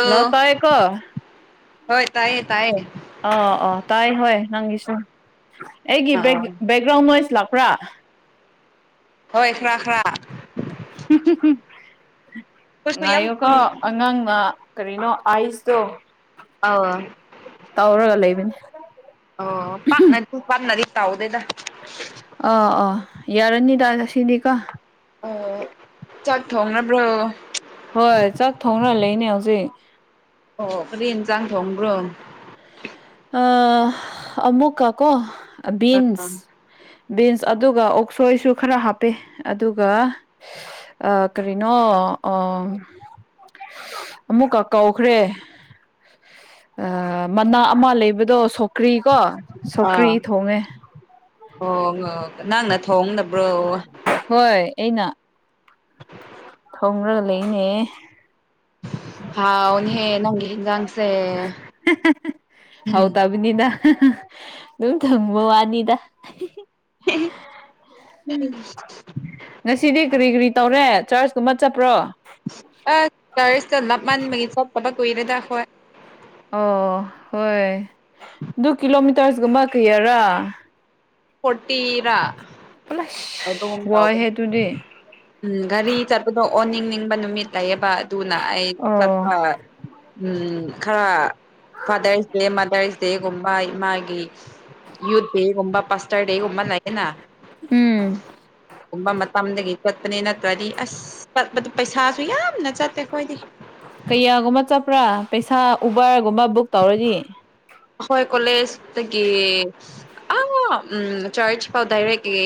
hello ꯇꯥꯏꯌꯦ ꯀꯣ ꯍꯣꯏ ꯇꯥꯏꯌꯦ ꯇꯥꯏꯌꯦ ꯑ ꯑ ꯇꯥꯏ ꯍꯣꯏ ꯅꯪꯒꯤꯁꯨ ꯑꯩꯒꯤ ꯕꯦꯛ ꯑꯥ ꯕꯦꯛ ꯏꯔꯣꯡ ꯃꯣꯏꯁ ꯂꯥꯛꯄ꯭ꯔꯥ ꯍꯣꯏ ꯈꯔ ꯈꯔ ꯑꯩꯈꯣꯏꯁꯨ ꯌꯥꯝ ꯉꯥꯏꯌꯣꯀꯣ ꯑꯉꯥꯡꯅ ꯀꯔꯤꯅꯣ ꯑꯥꯏꯁ ꯇꯣ ꯑ ꯇꯧꯔꯒ ꯂꯩꯕꯅꯦ ꯑꯣ ꯄꯥꯟꯅ ꯇ ꯄꯥꯟꯅꯔꯤ ꯇꯧꯗꯦꯗ ꯑꯥ ꯑꯥ ꯌꯥꯔꯅꯤꯗ ꯁꯤꯅꯤꯀꯣ ꯑꯣ ꯆꯠꯈ꯭ꯔꯣ ꯍꯥꯢꯕ꯭ꯔꯣ ꯍꯣꯏ ꯆꯥꯛ ꯊꯣꯡꯅ ꯂꯩꯅꯦ ꯍꯧꯖꯤꯛ ꯑꯣ ꯀꯔꯤ ꯌꯦꯟꯖꯥꯡ ꯊꯣꯡꯕ꯭ꯔꯣ ꯑ ꯑꯃꯨꯀ ꯀꯣ ꯑꯥ ꯕꯤꯟꯁ ꯕꯤꯟꯁ ꯑꯗꯨꯒ ꯑꯣꯛꯁꯣꯏꯁꯨ ꯈꯔ ꯍꯥꯞꯄ ꯑꯗꯨꯒ ꯑ ꯀꯔꯤꯅꯣ ꯑ ꯑꯃꯨꯛꯀ ꯀꯧꯈ꯭ꯔꯦ ꯃꯃꯥ ꯑꯃ ꯂꯩꯕꯗꯣ ꯁꯣꯀ꯭ꯔꯤ ꯀꯣ ꯑꯥ ꯁꯧꯀ꯭ꯔꯤ ꯊꯣꯡꯉꯦ ꯑꯣ ꯅꯪꯅ ꯊꯣꯡꯅꯕ꯭ꯔꯣ ꯍꯣꯏ ꯑꯩꯅ ꯊꯣꯡꯉꯔꯒ ꯂꯩꯅꯦ ꯍꯥꯎꯅꯦ ꯍꯦ ꯅꯪ [unintelligible] [unintelligible] ꯍꯥꯎ ꯎꯝ ꯇ ꯅꯤꯅ ꯑꯗꯨꯝ ꯈꯪꯕ ꯋꯥꯅꯤꯗ ꯎꯝ [inaudible] ꯉꯁꯤꯗꯤ ꯀꯔꯤ ꯀꯔꯤ ꯇꯧꯔꯦ ꯆ꯭ꯔꯁꯀꯨꯝꯕ ꯆꯠꯄ꯭ꯔꯣ ꯑ ꯆ꯭ꯔꯁꯇ ꯂꯥꯞꯃꯟꯕꯒꯤ ꯆꯠꯇꯕ ꯀꯨꯏꯔꯦꯗ ꯑꯈꯣꯏ ꯑꯣ ꯍꯣꯏ ꯑꯗꯨ ꯀꯤꯂꯣꯃꯤꯇꯔꯁꯀꯨꯝꯕ ꯀꯩꯌꯥꯔꯥ ꯐꯣꯇꯤꯔꯥ ꯄꯨꯂꯁ [unintelligible] ꯋꯥꯏꯍꯦ ꯑꯗꯨꯗꯤ ꯎꯝ ꯒꯥꯔꯤ ꯆꯠꯄꯗꯣ ꯑꯣꯟꯅꯤꯡꯅꯤꯡꯕ ꯅꯨꯃꯤꯠ ꯂꯩꯌꯦꯕ ꯑꯗꯨꯅ ꯑꯩ ꯑꯣ ꯆꯠꯄꯥ ꯎꯝ ꯈꯔ ꯐꯥꯗ꯭ꯔꯁ ꯗꯦ ꯃꯥꯗ꯭ꯔꯁ ꯗꯦꯒꯨꯝꯕ ꯢꯃꯥꯥꯒꯤ ꯌꯨꯠ ꯗꯦꯒꯨꯝ ꯄꯥꯁꯇꯔꯠ ꯗꯦꯒꯨꯝꯕ ꯂꯩꯌꯦꯅꯥ ꯎꯝ ꯀꯨꯝꯕ ꯃꯇꯝꯗꯒꯤ ꯀꯣꯠꯄꯅꯦ ꯅꯠꯇ꯭ꯔꯗꯤ ꯑꯁ ꯄꯩꯁꯥꯁꯨ ꯌꯥꯝꯅ ꯆꯠꯇꯦ ꯑꯩꯈꯣꯏꯗꯤ ꯀꯌꯥꯒꯨꯝꯕ ꯆꯠꯄ꯭ꯔꯥ ꯄꯩꯁꯥ ꯎꯕꯔꯒꯨꯝꯕ ꯕꯨꯛ ꯇꯧꯔꯗꯤ ꯍꯣꯏ ꯀꯣꯂꯦꯖꯇꯒꯤ ꯑ ꯎꯝ ꯆ꯭ꯔꯁ ꯐꯎ ꯗꯥꯢꯔꯦꯛꯂꯤ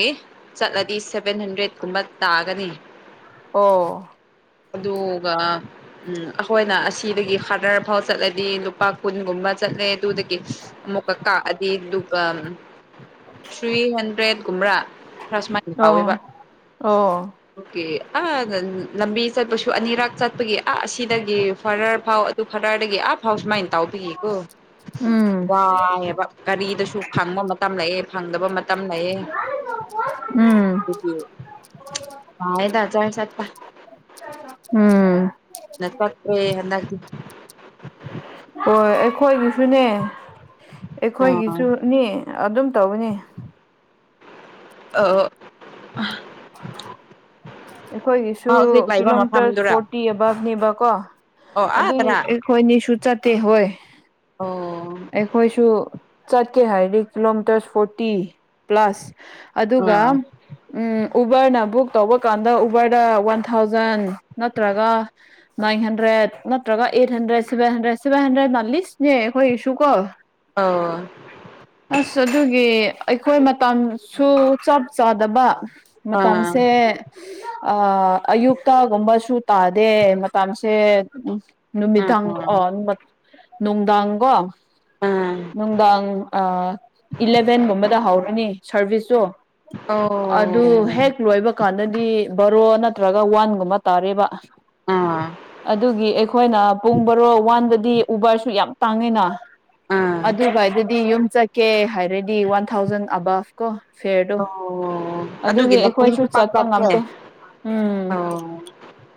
ꯆꯠꯂꯗꯤ ꯁꯦꯚꯦꯟ ꯍꯟꯗ꯭ꯔꯦꯠꯀꯨꯝꯕ ꯇꯥꯒꯅꯤ ꯑꯣ ꯑꯗꯨꯒ ꯎꯝ ꯑꯩꯈꯣꯏꯅ ꯑꯁꯤꯗꯒꯤ ꯍꯗꯔꯐꯥꯎ ꯆꯠꯂꯗꯤ ꯂꯨꯄꯥ ꯀꯨꯟꯒꯨꯝꯕ ꯆꯠꯂꯦ ꯑꯗꯨꯗꯒꯤ ꯑꯃꯨꯛꯀꯛ ꯑꯗꯤ ꯑꯗꯨꯒ ꯊ꯭ꯔꯤ ꯍꯟꯗ꯭ꯔꯦꯠꯀꯨꯝꯕ꯭ꯔꯥ ꯈꯔ ꯁꯨꯃꯥꯏꯅ ꯑꯣ ꯇꯧꯋꯦꯕ ꯑꯣ ꯑꯣꯀꯦ ꯑ ꯂꯝꯕꯤ ꯆꯠꯄꯁꯨ ꯑꯅꯤꯔꯛ ꯆꯠꯄꯒꯤ ꯑ ꯑꯁꯤꯗꯒꯤ ꯐꯔꯔ ꯐꯥꯎ ꯑꯗꯨ ꯐꯔꯔꯗꯒꯤ ꯑꯞ ꯐꯥꯎ ꯁꯨꯃꯥꯏꯟ ꯇꯥꯎꯕꯒꯤꯀꯣ ꯎꯝ ꯋꯥꯏꯑꯦꯕ ꯀꯔꯤꯗꯁꯨ ꯐꯪꯕ ꯃꯇꯝ ꯂꯩꯑꯦ ꯐꯪꯗꯕ ꯃ [unintelligible] ꯎꯝ [unintelligible] ꯆ꯭ꯔꯁꯠ ꯆꯥꯠꯄ ꯎꯝ ꯅ ꯆꯠꯇ꯭ꯔꯦ [unintelligible] ꯍꯣꯏ ꯑꯩꯈꯣꯏꯒꯤꯁꯨꯅꯦ ꯑꯥ ꯑꯩꯈꯣꯏꯒꯤꯁꯨꯅꯤ ꯑꯗꯨꯝ ꯇꯧꯕꯅꯤ ꯑ ꯑꯣ ꯑꯥ ꯑꯩꯈꯣꯏꯒꯤꯁꯨ ꯀꯤꯂꯣꯃꯤꯇꯔꯁ ꯃꯐꯝꯗꯨꯔꯥ ꯐꯣꯔꯇꯤ ꯑꯕꯞꯅꯦꯕꯀꯣ ꯑꯣ ꯑꯥꯗꯔꯥ ꯑꯗꯨꯒꯤ ꯍꯣꯏꯅꯤꯁꯨ ꯆꯠꯇꯦ ꯍꯣꯏ ꯑꯣ ꯑꯩꯈꯣꯏꯁꯨ ꯆꯠꯀꯦ ꯍꯥꯏꯔꯗꯤ ꯀꯤꯂꯣꯃꯤꯇꯔ ꯐꯣꯔꯇꯤ ꯄ꯭ꯂꯁ ꯑꯗꯨꯒ ꯑꯥ ꯎꯝ ꯎꯕꯔꯅ ꯕꯨꯛ ꯇꯧꯕ ꯀꯥꯟꯗ ꯎꯕꯔꯗ ꯋꯥꯟ ꯊꯥꯎꯖꯟ ꯅꯠꯇ꯭ꯔꯒ ꯅꯥꯏꯟ ꯍꯟꯗ꯭ꯔꯦꯠ ꯅꯠꯇ꯭ꯔꯒ eight hundred seven hundred seven hundred ꯅ ꯂꯤꯁꯅꯦ ꯍꯣꯏ ꯁꯨ ꯀꯣ ꯑꯣ ꯑꯁ ꯑꯗꯨꯒꯤ ꯑꯩꯈꯣꯏ ꯃꯇꯝꯁꯨ ꯆꯞ ꯆꯥꯗꯕ ꯑꯥ ꯃꯇꯝꯁꯦ ꯑ ꯑꯌꯨꯛꯇꯒꯨꯝꯕꯁꯨ ꯇꯥꯗꯦ ꯃꯇꯝꯁꯦ ꯎꯃ ꯅꯨꯃꯤꯗꯥꯡ ꯑꯣ ꯑꯥ ꯅꯨꯡꯗꯥꯡ ꯀꯣ ꯑꯥ ꯅꯨꯡꯗꯥꯡ ꯑꯥ ꯏꯂꯚꯦꯟꯒꯨꯝꯕꯗ ꯍꯧꯔꯅꯤ ꯁꯥꯔꯚꯤꯁꯇꯨ ꯑꯣ ꯑꯗꯨ ꯍꯦꯛ ꯂꯣꯏꯕ ꯀꯥꯟꯗꯗꯤ ꯕꯔꯣ ꯅꯠꯇ꯭ꯔꯒ ꯋꯥꯟꯒꯨꯝꯕ ꯇꯥꯔꯦꯕ ꯑꯥ ꯑꯗꯨꯒꯤ ꯑꯩꯈꯣꯏꯅ ꯄꯨꯡ ꯕꯔꯣ ꯋꯥꯟꯗꯗꯤ ꯎꯕꯔꯁꯨ ꯌꯥꯝ ꯇꯥꯡꯉꯤꯅ ꯑꯥ ꯑꯗꯨꯒ ꯍꯥꯏꯗꯗꯤ ꯌꯨꯝ ꯆꯠꯀꯦ ꯍꯥꯏꯔꯗꯤ ꯋꯥꯟ ꯊꯥꯎꯖꯟ ꯑꯕꯞ ꯀꯣ ꯐꯦꯔꯗꯣ ꯑꯣ ꯑꯗꯨꯒꯤ ꯑꯩꯈꯣꯏꯁꯨ ꯂꯝꯕꯤꯁꯨ ꯄꯥꯛ ꯆꯠꯄ ꯆꯠꯇꯦ ꯉꯝꯗꯦ ꯎꯝ ꯑꯣ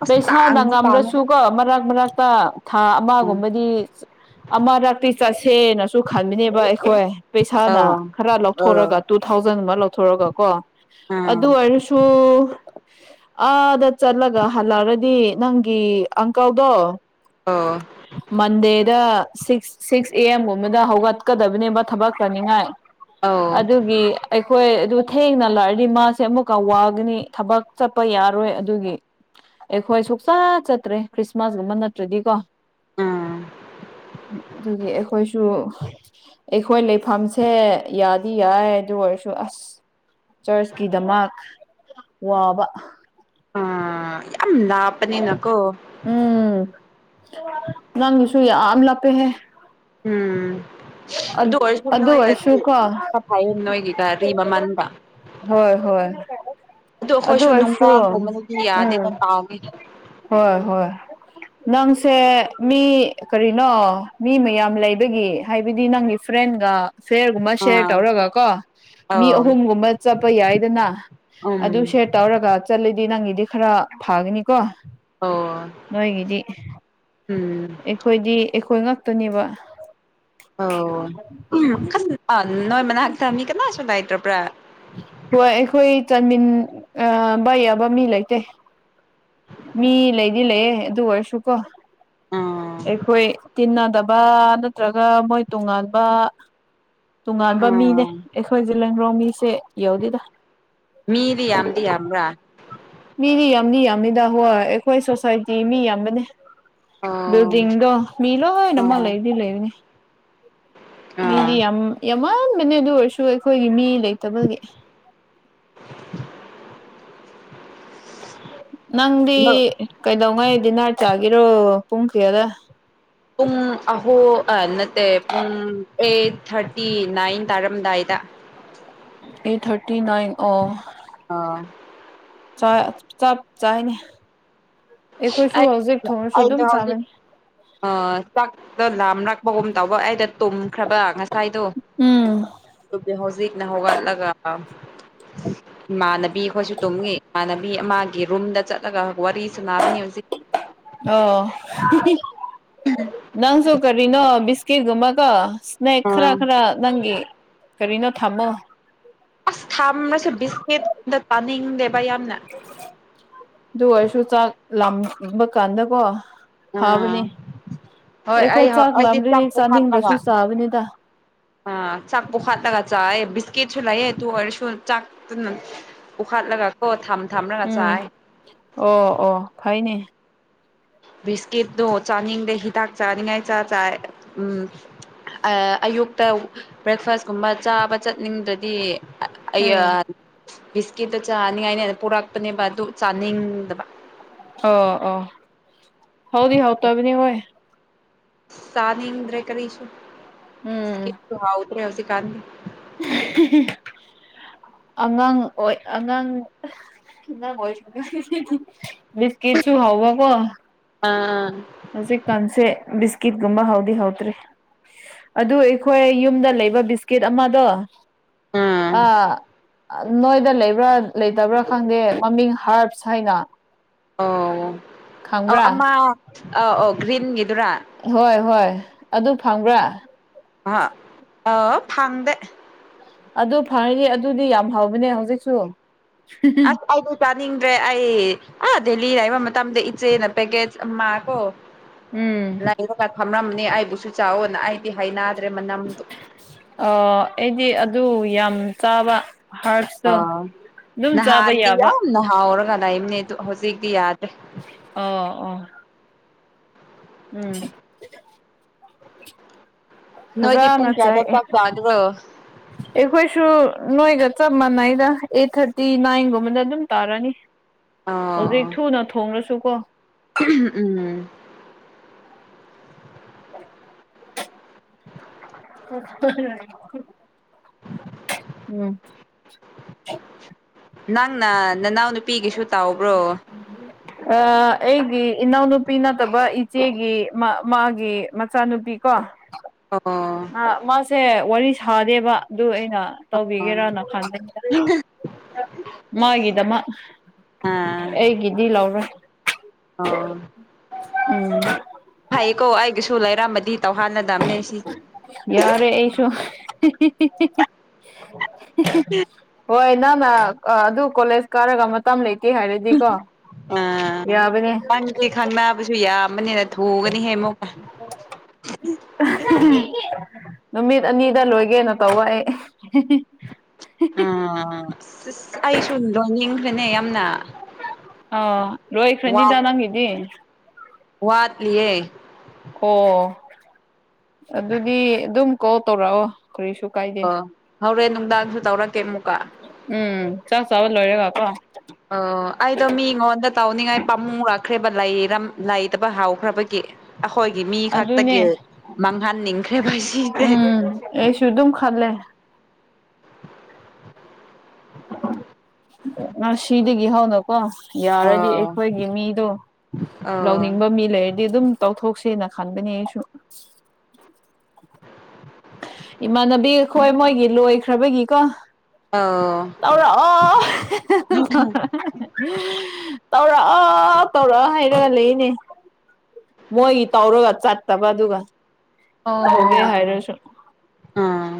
ꯑꯁ ꯂꯩꯁꯥꯅ ꯇꯥꯡꯗꯤ ꯇꯥꯡꯉꯦꯗ ꯉꯝꯂꯁꯨꯀꯣ ꯃꯔꯛ ꯃꯔꯛꯇ ꯊꯥ ꯑꯃꯒꯨꯝꯕꯗꯤ ꯑꯃꯔ ꯇꯤ ꯆꯁꯦ ꯅ ꯁꯨ ꯈꯟꯕꯤꯅꯦꯕ ꯑꯩꯈꯣꯏ ꯄꯩꯁꯥꯅ ꯑꯣ ꯑꯣ ꯈꯔ ꯑꯣ ꯂꯧꯊꯣꯔꯒ ꯇꯨ ꯊꯥꯎꯖꯟ ꯑꯃ ꯂꯧꯊꯣꯔꯒ ꯀꯣ ꯎꯝ ꯑꯗꯨ ꯑꯣꯏꯔꯁꯨ ꯑꯥꯗ ꯆꯠꯂꯒ ꯍꯜꯂꯛꯑꯔꯗꯤ ꯅꯪꯒꯤ ꯑꯪꯀꯜꯗꯣ ꯑꯣ ꯃꯟꯦꯗ ꯁꯤꯛꯁ ꯁꯤꯛꯁ ꯑꯦ ꯑꯦꯝꯒꯨꯝꯕꯗ ꯍꯧꯒꯠꯀꯗꯕꯅꯦꯕ ꯊꯕꯛ ꯇꯧꯅꯤꯉꯥꯏ ꯑꯣ ꯑꯗꯨꯒꯤ ꯑꯩꯈꯣꯏ ꯑꯗꯨ ꯊꯦꯡꯅ ꯂꯑꯔꯗꯤ ꯃꯥꯁꯦ ꯑꯃꯨꯛꯀ ꯋꯥꯒꯅꯤ ꯊꯕꯛ ꯆꯠꯄ ꯌꯥꯔꯣꯏ ꯑꯗꯨꯒꯤ ꯑꯩꯈꯣꯏ ꯁꯨꯛꯆꯥ ꯆꯠꯇ꯭ꯔꯦ ꯈ꯭ꯔꯤꯁꯃꯥꯁꯒꯨꯝꯕ ꯅꯠꯇ꯭ꯔꯗꯤꯀꯣ ꯎꯝ ꯑꯗꯨꯒꯤ ꯑꯩꯈꯣꯏꯁꯨ ꯑꯩꯈꯣꯏ ꯂꯩꯐꯝꯁꯦ ꯌꯥꯗꯤ ꯌꯥꯏ ꯑꯗꯨ ꯑꯣꯏꯔꯁꯨ ꯑꯁ ꯆꯔꯆꯀꯤꯗꯃꯛ ꯋꯥꯕ ꯑꯝ ꯂꯥꯞꯄꯅꯤꯅꯀꯣ ꯎꯝ ꯅꯪꯁꯨ ꯌꯥꯝ ꯂꯥꯞꯄꯦꯍꯦ ꯎꯝ ꯑꯗꯨ ꯑꯣꯏ ꯁꯨꯝꯅ ꯑꯗꯨ ꯑꯣꯏꯒꯦ ꯑꯣꯏꯔꯁꯨ ꯀꯣ ꯈꯥ ꯐꯔꯥꯅꯤ ꯅꯣꯏꯒꯤ ꯀꯗꯨꯒꯤ ꯃꯃꯥꯡꯗꯥ ꯍꯣꯏ ꯍꯣꯏ ꯑꯗꯨ ꯑꯩꯈꯣꯏꯁꯨ ꯑꯣꯏꯔꯁꯨ ꯅꯨꯡꯗꯥꯡꯒꯨꯝꯕꯗꯗꯤ ꯎꯝ ꯌꯥꯗꯦꯗ ꯇꯥꯡꯉꯦ ꯍꯣꯏ ꯍꯣꯏ ꯅꯪꯁꯦ ꯃꯤ ꯀꯔꯤꯅꯣ ꯃꯤ ꯃꯌꯥꯝ ꯂꯩꯕꯒꯤ ꯍꯥꯏꯕꯗꯤ ꯅꯪꯒꯤ ꯐ꯭ꯔꯦꯟꯒ ꯐꯦꯔꯒꯨꯝꯕ ꯁꯦꯔ ꯑꯥ ꯇꯧꯔꯒ ꯀꯣ ꯃꯤ ꯑꯣ ꯑꯍꯨꯝꯒꯨꯝꯕ ꯆꯠꯄ ꯌꯥꯏꯗꯅ ꯎꯝ ꯑꯗꯨ ꯁꯦꯔ ꯇꯧꯔꯒ ꯆꯠꯂꯤꯗꯤ ꯅꯪꯒꯤꯗꯤ ꯈꯔ ꯐꯒꯅꯤꯀꯣ ꯑꯣ ꯅꯣꯏꯒꯤꯗꯤ ꯎꯝ ꯑꯩꯈꯣꯏꯗꯤ ꯑꯩꯈꯣꯏ ꯉ [unintelligible] ꯅꯤꯕ ꯑꯣ ꯎꯝ ꯅꯣꯏ ꯃꯅꯥꯛꯇ ꯃꯤ ꯀꯅꯥꯁꯨ ꯂꯩꯇ꯭ꯔꯕ꯭ꯔꯥ ꯍꯣꯏ ꯑꯩꯈꯣꯏ ꯆꯟꯃꯤꯟꯅꯕ ꯌꯥꯕ ꯃꯤ ꯂꯩꯇꯦ ꯃꯤ ꯂꯩꯗꯤ ꯂꯩꯌꯦ ꯑꯗꯨ ꯑꯣꯏꯔꯁꯨꯀꯣ ꯎꯝ ꯑꯩꯈꯣꯏ ꯇꯤꯟꯅꯗꯕ ꯅꯠꯇ꯭ꯔꯒ ꯃꯣꯏ ꯇꯣꯉꯥꯟꯕ ꯇꯣꯉꯥꯟꯕ ꯃꯤꯅꯦ ꯎꯝ ꯑꯩꯈꯣꯏ ꯖꯦꯂꯤꯌꯥꯟ ꯃꯤꯁꯦ ꯌꯧꯗꯦꯗ ꯃꯤꯗꯤ ꯌꯥꯝ ꯌꯥꯝꯗ ꯌꯥꯝ ꯃꯤꯗꯤ ꯌꯥꯝꯅꯤ ꯌꯥꯝꯃꯤꯗ ꯍꯣꯏ ꯑꯩꯈꯣꯏ ꯁꯣꯁꯥꯏꯇꯤ ꯃꯤ ꯌꯥꯝꯕꯅꯦ ꯑꯣ ꯖꯗꯣ ꯃꯤꯂ ꯍꯣꯏ ꯑꯃ ꯑꯣ ꯂꯩꯗꯤ ꯂꯩꯅꯤ ꯃꯤꯗꯤ ꯑꯥ ꯌꯥꯝ ꯌꯥꯝꯃꯥꯟꯕꯅꯦ ꯑꯗꯨ ꯑꯣꯏꯔꯁꯨ ꯑꯩꯈꯣꯏꯒꯤ ꯃꯤ ꯂꯩꯇꯕꯒꯤ [inaudible] ꯅꯪꯗꯤ ꯀꯩꯗꯧꯉꯩ ꯗꯤꯅꯔ ꯆꯥꯒꯤꯔꯣ ꯄꯨꯡ ꯀꯌꯥꯗ ꯄꯨꯡ ꯑꯍꯣ ꯅꯠꯇꯦ ꯄꯨꯡ ꯑꯩꯠ ꯊꯥꯔꯇꯤ ꯅꯥꯏꯟ ꯇꯥꯔꯝꯗꯥꯏꯗ ꯑꯦꯠ ꯊꯥꯔꯇꯤ ꯅꯥꯏꯟ ꯑꯣ ꯑꯥ ꯆꯞ ꯆꯥꯏꯅꯦ ꯑꯩꯈꯣꯏꯁꯨ ꯍꯧꯖꯤꯛ ꯊꯣꯡꯅꯁꯨ ꯑꯗꯨꯝ ꯆꯥꯕꯅꯤ ꯑ ꯆꯥꯛꯇꯣ ꯂꯥꯝꯔꯛꯄꯒꯨꯝ ꯇꯧꯕ ꯑꯩꯗ ꯇꯨꯝꯈ꯭ꯔꯕ ꯉꯁꯥꯏꯗꯣ ꯎꯝ ꯍꯧꯖꯤꯛꯅ ꯍꯧꯒꯂꯒ ꯏꯃꯥꯟꯅꯕꯤ ꯑꯩꯈꯣꯏꯁꯨ ꯇꯨꯝꯉ ꯏꯃꯥꯟꯅꯕꯤ ꯑꯃꯒꯤ ꯔꯨꯝꯗ ꯆꯠꯂꯒ ꯋꯥꯔꯤ ꯆꯨꯅꯥꯕꯅꯤ ꯍꯧꯖꯤ ꯑꯣ ꯅꯪ ꯁꯨ ꯀꯔꯤꯅꯣ ꯕꯤꯁꯀꯦꯠꯀꯨꯝꯄꯥ ꯁ꯭ꯅꯦꯛ ꯈꯔ ꯑꯥ ꯈꯔ ꯅꯪꯒꯤ ꯀꯔꯤꯅꯣ ꯊꯝꯃꯣ ꯑꯁ ꯊꯝꯔꯁꯦ ꯕꯤꯁꯃꯤꯠꯗ ꯇꯥꯅꯤꯡ ꯗꯦꯕ ꯌꯥꯝꯅ ꯑꯗꯨ ꯑꯣꯏꯔꯁꯨ ꯆꯥꯛ ꯂꯝꯕ ꯀꯥꯟꯗꯀꯣ ꯑꯥ ꯐꯥꯕꯅꯦ ꯍꯣꯏ ꯑꯩ ꯑꯩꯈꯣꯏ ꯆꯥꯛ ꯑꯩꯗꯤ ꯆꯥꯛ ꯂꯥꯝꯗꯣꯏꯅꯦ ꯄꯨꯈꯠꯂꯒ ꯆꯥꯅꯤꯡꯗ꯭ꯔꯁꯨ ꯆꯥꯕꯅꯤꯗ ꯑ ꯆꯥꯛ ꯄꯨꯈꯠꯂꯒꯥ ꯆꯥꯌꯦ ꯕꯤꯁꯀꯤꯠꯁꯨ ꯂꯩꯌꯦ ꯇꯨ ꯑꯣꯏꯔꯁꯨ ꯆꯥꯛꯇꯨꯅ ꯎꯈꯠꯂꯒ ꯀꯣ ꯊꯝ ꯊꯝꯂꯒ ꯎꯝ ꯆꯥꯏ ꯑꯣ ꯑꯣ ꯐꯩꯅꯦ ꯕꯤꯁꯀꯤꯠꯗꯣ ꯆꯥꯅꯤꯡꯗꯦ ꯍꯤ ꯇꯥꯛ ꯆꯅꯤꯡꯉꯥꯏ ꯆ ꯆꯥꯏ ꯎꯝ ꯑꯌꯨꯛꯇ ꯕ꯭ꯔꯦꯛꯐꯥꯁꯀꯨꯝꯕ ꯆꯥꯕ ꯆꯠꯅꯤꯡꯗ꯭ꯔꯗꯤ ꯑꯩ ꯎꯝ ꯕꯤꯁꯀꯤꯠꯇꯣ ꯆꯥꯅꯤꯡꯉꯥꯏꯅꯦ ꯍꯟꯅ ꯄꯨꯔꯛꯄꯅꯦꯕ ꯑꯗꯨ ꯆꯥꯅꯤꯡꯗꯕ ꯑꯣ ꯑꯣ ꯍꯥꯎꯗꯤ ꯍꯥꯎ ꯇꯕꯅꯤ ꯍꯣꯏ ꯆꯥꯅꯤꯡꯗꯔ꯭ꯦ ꯀꯔꯤꯁꯨ ꯎꯝ ꯕꯤꯁꯀꯤꯠꯁꯨ ꯍꯥꯎꯇꯔ꯭ꯦ ꯍꯧꯖꯤꯛꯀꯥꯟꯗꯤ ꯑꯉꯥꯡ ꯑꯣꯏ ꯑꯉꯥꯡ ꯅꯪ ꯋꯔꯤꯁꯤꯗꯤ ꯕꯤꯁꯀꯤꯠꯁꯨ ꯍꯧꯕꯀꯣ ꯑꯥ ꯍꯧꯖꯤꯛ ꯀꯟꯁꯦ ꯕꯤꯁꯀꯤꯠꯒꯨꯝꯕ ꯍꯥꯎꯗꯤ ꯍꯥꯎꯇ꯭ꯔꯦ ꯑꯗꯨ ꯑꯩꯈꯣꯏ ꯌꯨꯝꯗ ꯂꯩꯕ ꯕꯤꯁꯀꯤꯠ ꯑꯃꯗꯣ ꯑꯥ ꯅꯣꯏꯗ ꯂꯩꯕ꯭ꯔꯥ ꯂꯩꯇꯕ꯭ꯔꯥ ꯈꯪꯗꯦ ꯃꯃꯤꯡ ꯍꯥꯔꯞꯁ ꯍꯥꯏꯅ ꯑꯣ ꯑꯧ ꯈꯪꯕ꯭ꯔꯥ ꯑꯃ ꯑꯥꯎ ꯑꯧ ꯒ꯭ꯔꯤꯟꯒꯤꯗꯨꯔꯥ ꯍꯣꯏ ꯍꯣꯏ ꯑꯗꯨ ꯐꯪꯕ꯭ꯔꯥ ꯑ ꯑ ꯐꯃꯗꯦ ꯑꯗꯨ ꯐꯔꯦꯅꯦ ꯑꯗꯨꯗꯤ ꯌꯥꯝ ꯍꯥꯎꯕꯅꯦ ꯍꯧꯖꯤꯛꯁꯨ ꯑꯁ ꯑꯩꯗꯤ ꯆꯥꯅꯤꯡꯗ꯭ꯔꯦ ꯑꯩ ꯑ ꯗꯦꯜꯂꯤ ꯍꯥꯏꯕ ꯃꯇꯝꯗ ꯏꯆꯦꯅ ꯄꯦꯀꯦ ꯑꯃ ꯀꯣ ꯎꯝ ꯂꯥꯏꯔꯒ ꯐꯝꯃꯝꯅꯤ ꯑꯩꯕꯨꯁꯨ ꯆꯥꯎꯑꯣꯅ ꯑꯩꯗꯤ ꯍꯥꯏꯅꯗ꯭ꯔꯦ ꯃꯅꯝꯗꯨ ꯑ ꯑꯩꯗꯤ ꯑꯗꯨ ꯌꯥꯝ ꯆꯥꯕ ꯍꯥꯔꯞꯁ ꯑ ꯅꯍꯥꯟꯗꯤ ꯌꯥꯝ ꯅꯍꯥꯎꯔꯒ ꯂꯩꯝꯅꯦ ꯍꯧꯖꯤꯛꯇꯤ ꯌꯥꯗ꯭ꯔꯦ ꯑꯣ ꯑꯣ ꯎꯝ ꯅꯣꯏꯗꯤ ꯄꯨꯡ ꯐꯖꯅ ꯀꯌꯥꯗ ꯆꯥꯏ ꯆꯥꯛ ꯆꯥꯗ꯭ꯔꯣ ꯑꯩꯈꯣꯏꯁꯨ ꯅꯣꯏꯒ ꯆꯞ ꯃꯥꯟꯅꯩꯗ ꯑꯦꯠ ꯊꯥꯔꯇꯤ ꯅꯥꯏꯟꯒꯨꯝꯕꯗ ꯑꯗꯨꯝ ꯇꯥꯔꯅꯤ [inaudible] ꯑꯣ ꯍꯧꯖꯤꯛ ꯊꯨꯅ ꯊꯣꯡꯂꯁꯨ ꯀꯣ ꯎꯝ ꯎ [unintelligible] ꯎꯝ [unintelligible] ꯅꯪꯅ ꯅꯅꯥꯎ ꯅꯨꯄꯤꯒꯤꯁꯨ ꯇꯧꯕ꯭ꯔꯣ ꯎꯝ ꯑꯩꯒꯤ ꯏꯅꯥꯎꯅꯨꯄꯤ ꯅꯠꯇꯕ ꯏꯆꯦꯒꯤ ꯃꯥꯒꯤ ꯃꯆꯥꯅꯨꯄꯤ ꯀꯣ ꯑꯣ ꯃꯥꯁꯦ ꯋꯥꯔꯤ ꯁꯥꯗꯦꯕ ꯑꯗꯨ ꯑꯩꯅ ꯇꯧꯕꯤꯒꯦꯔꯅ ꯈꯟꯕꯅꯦꯕꯥ ꯃꯥꯒꯤꯗ ꯃꯥ ꯑꯥ ꯑꯩꯒꯤꯗꯤ ꯂꯧꯔꯣꯏ ꯎꯝ ꯐꯩꯀꯣ ꯑꯩꯒꯁꯨ ꯂꯩꯔꯝꯕꯗꯤ ꯇꯧꯍꯥꯟꯅꯗꯕꯅꯦ ꯁꯤ ꯌꯥꯔꯦ ꯑꯩꯁꯨ ꯍꯦ ꯍꯦ ꯍꯦ ꯍꯦ ꯍꯦ ꯎꯝ ꯍꯣꯏ ꯅꯪ ꯅ ꯑꯗꯨ ꯀꯣꯂꯦꯖ ꯀꯥꯔꯒ ꯃꯇꯝ ꯂꯩꯇꯦ ꯍꯥꯏꯔꯗꯤꯀꯣ ꯌꯥꯕꯅꯦ ꯈꯪ ꯅꯥꯕꯁꯨ ꯌꯥꯝꯕꯅꯤꯅ ꯊꯨꯒꯅꯤ ꯍꯦꯃꯨꯀ ꯅꯨꯃꯤꯠ ꯑꯅꯤꯗ ꯂꯣꯏꯒꯦꯅ ꯇꯧꯕ ꯑꯩ ꯑ ꯑꯩꯁꯨꯗꯅꯤ ꯑ ꯔꯣꯏꯈ꯭ꯔꯅꯤꯗ ꯅꯪꯒꯤꯗꯤ ꯋꯥꯠ ꯂꯦ ꯑꯣ ꯑꯗꯨꯗꯤ ꯑꯗꯨꯝ ꯀꯣꯜ ꯇꯧꯔꯛꯑꯣ ꯀꯔꯤꯁꯨ ꯀꯥꯏ ꯑꯣ ꯍꯧꯔꯦꯟ ꯅꯨꯡꯗꯥꯡꯁꯨ ꯇꯧꯔꯛꯀꯦ ꯑꯃꯨꯛꯀ ꯎꯝ ꯆꯥꯛ ꯆꯥꯕ ꯂꯣꯏꯔꯒ ꯀꯣ ꯑꯣ ꯑꯩꯗꯣ ꯃꯤꯉꯣꯟꯗ ꯇꯧꯅꯤꯡꯉꯥꯏ ꯄꯥꯝꯃꯨꯔꯛꯈ꯭ꯔꯦꯕ ꯂꯩꯇꯕ ꯍꯥꯎꯈ꯭ꯔꯕꯒꯤ ꯑꯩꯈꯣꯏꯒꯤ ꯃꯤ ꯈꯛꯇꯒꯤ ꯑꯗꯨꯅꯦ ꯃꯥꯡꯍꯟꯅꯤꯡꯈ꯭ꯔꯦꯕ ꯁꯤꯁꯦ ꯑꯦ ꯁꯨꯗꯝ ꯈꯜꯦ ꯃꯥ ꯁꯤꯗꯤꯒꯤ ꯍꯥꯎ ꯅ ꯀꯣ ꯌꯥꯔꯗꯤ ꯑꯥ ꯑꯩꯈꯣꯏꯒꯤ ꯃꯤꯗꯣ ꯑꯥ ꯂꯧꯅꯤꯡꯕ ꯃꯤ ꯂꯩꯔ ꯗꯤ ꯑꯗꯨꯝ ꯇꯧꯊꯣꯛꯁꯦꯅ ꯈꯟꯕꯅꯦ ꯑꯩꯁꯨ ꯏꯃꯥꯟꯅꯕꯤ ꯑꯩꯈꯣꯏ ꯃꯣꯏꯒꯤ ꯂꯣꯏꯈ꯭ꯔꯕꯒꯤꯀꯣ ꯑꯥ ꯇꯧꯔ ꯑꯣ ꯇꯧꯔꯛꯑ ꯇꯧꯔꯛꯑ ꯍꯥꯏꯔꯒ ꯂꯩꯅꯦ ꯃꯣꯏꯒꯤ ꯇꯧꯔꯒ ꯆꯠꯇꯕ ꯑꯗꯨꯒ ꯇꯧꯒꯦ ꯑꯣ ꯍꯥꯏꯔꯁꯨ ꯑꯝ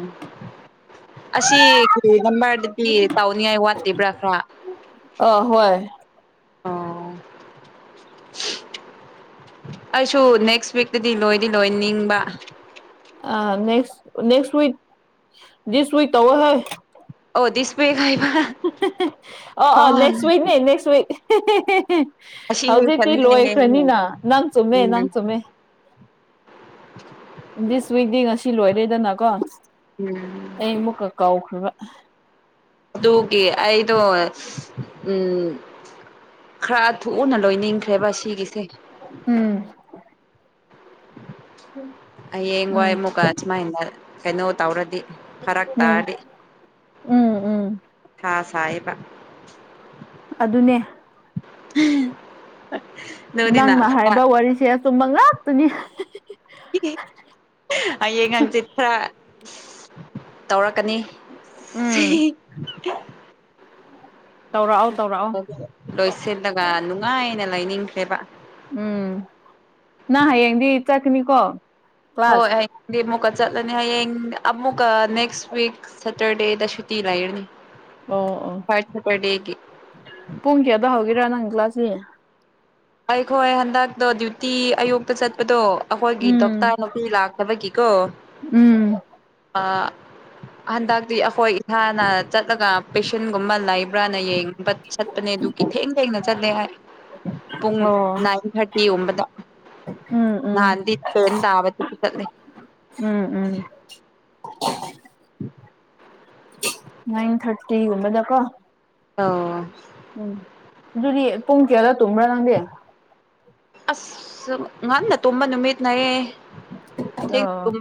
ꯑꯁꯤꯁꯤ ꯂꯝꯝꯕ ꯍꯥꯏꯗꯤ ꯇꯥꯎꯅꯤꯡꯉꯥꯏ ꯋꯥꯠꯂꯤꯕ꯭ꯔꯥ ꯈ꯭ꯔꯥ ꯑ ꯍꯣꯏ ꯑꯣ ꯑꯩꯁꯨ ꯅꯦꯛꯁ ꯋꯤꯛꯇꯗꯤ ꯂꯣꯏꯗꯤ ꯂꯣꯏ ꯅꯤꯡꯕ ꯑ next next week this week ꯇꯧꯧꯕ ꯍꯣꯏ ꯑꯣꯗꯤꯁ ꯑ ꯑ ꯅꯦꯛꯁ ꯋꯤꯏꯛꯅꯦ ꯅꯦꯛꯁ ꯋꯤꯏꯛ ꯑꯁꯤ ꯍꯧꯖꯤꯛꯇꯤ ꯐꯟꯅꯦꯅ ꯂꯣꯏꯈ꯭ꯔꯅꯤꯅ ꯑꯗꯨꯝ ꯅꯪ ꯆꯨꯝꯃꯦ ꯅꯪ ꯎꯝ ꯆꯨꯝꯃꯦ ꯗꯤ ꯁꯨꯋꯏꯗꯗꯤ ꯉꯁꯤ ꯂꯣꯏꯔꯦꯗꯅꯀꯣ ꯎꯝ ꯑꯩ ꯑꯃꯨꯛꯀ ꯀꯥꯎꯈ꯭ꯔꯔꯤꯕ ꯇꯀꯤ ꯑꯩꯗꯣ ꯎꯝ ꯈꯔ ꯊꯣꯛꯨꯎꯅ ꯂꯣꯏꯅꯤꯡꯈ꯭ꯔꯦꯕ ꯁꯤꯒꯤꯁꯦ ꯎꯝ ꯍꯌꯦꯡ ꯎꯝ ꯋꯥꯏ ꯑꯃꯨꯛꯀ ꯁꯨꯃꯥꯏꯅ ꯀꯩꯅꯣ ꯇꯧꯔꯗꯤ ꯐꯔꯛ ꯎꯝ ꯇꯥꯔꯗꯤ ꯎꯝ ꯎꯝ ꯃꯊꯥ ꯁꯥꯌꯦꯕ ꯑꯗꯨꯅꯦ [unintelligible] ꯅꯪꯅ ꯈꯔ ꯍꯥꯏꯕ ꯋꯥꯔꯤꯁꯦ ꯑꯆꯨꯝꯕ ꯉꯥꯛꯇꯅꯤ ꯍꯌꯦꯡ ꯍꯪꯆꯤꯠ ꯈꯔ ꯇꯧꯔꯛꯀꯅꯤ ꯁꯤꯍꯤꯍꯤ [inaudible] ꯇꯧꯔꯛꯑꯣ ꯂꯣꯏꯁꯤꯜꯂꯒ ꯅꯨꯡꯉꯥꯏꯅ ꯂꯩꯅꯤꯡꯈ꯭ꯔꯦꯕ ꯎꯝ ꯅ ꯍꯌꯦꯡꯗꯤ ꯆꯠꯀꯅꯤꯀꯣ ꯀ꯭ꯂꯥꯁ ꯍꯣꯏ ꯗꯗꯤ ꯑꯃꯨꯛꯀ ꯆꯠꯂꯅꯤ ꯍꯌꯦꯡ ꯑꯃꯨꯛꯀ ꯅꯦꯛꯁ ꯋꯤꯛ ꯁꯦꯇꯔꯗꯦꯗ ꯁꯨꯇꯤ ꯂꯩꯔꯅꯤ ꯑꯣ ꯑꯣ ꯊꯥꯔꯠ ꯁꯦꯇꯔꯗꯦꯒꯤ ꯄꯨꯡ ꯀꯌꯥꯗ ꯍꯧꯒꯦꯔꯥ ꯅꯪ ꯀ꯭ꯂꯥꯁꯁꯤ ꯑꯩꯈꯣꯏ ꯍꯟꯗꯛꯇꯣ ꯗ꯭ꯌꯨꯇꯤ ꯑꯌꯨꯛꯇ ꯆꯠꯄꯗꯣ ꯑꯩꯈꯣꯏꯒꯤ ꯎꯝ ꯗꯣꯛꯇꯔ ꯅꯨꯄꯤ ꯂꯥꯛꯇꯕꯒꯤꯀꯣ ꯎꯝ ꯑ ꯍꯟꯗꯛꯇꯤ ꯑꯩꯈꯣꯏ ꯏꯁꯥꯅ ꯆꯠꯂꯒ ꯄꯦꯁꯟꯒꯨꯝꯕ ꯂꯩꯕ꯭ꯔꯥꯅ ꯌꯦꯡꯉꯤ ꯕꯠ ꯆꯠꯄꯅꯦ ꯑꯗꯨꯒꯤ ꯊꯦꯡ ꯊꯦꯡꯅ ꯆꯠꯂꯦ ꯍꯥꯏ ꯄꯨꯡ ꯑꯣ ꯅꯥꯏꯟ ꯊꯥꯔꯇꯤꯒꯨꯝꯕꯗ ꯎꯝ ꯎꯝ ꯅꯍꯥꯟꯗꯤ ꯇꯦꯟ ꯇꯥꯕꯗ ꯆꯠꯂꯦ ꯎꯝ ꯎꯝ [unintelligible] ꯅꯏꯟ ꯊꯥꯔꯇꯤꯒꯨꯝꯕꯗꯀꯣ ꯑꯣ ꯎꯝ ꯑꯗꯨꯗꯤ ꯄꯨꯡ ꯀꯌꯥꯗ ꯇꯨꯝꯕ꯭ꯔꯥ ꯅꯪꯗꯤ ꯑꯁ ꯉꯟꯅ ꯇꯨꯝꯕ ꯅꯨꯃꯤꯠꯅꯌꯦ ꯊꯦꯡꯅ ꯑ ꯇꯨꯝ